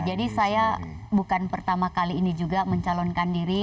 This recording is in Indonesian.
jadi saya bukan pertama kali ini juga mencalonkan diri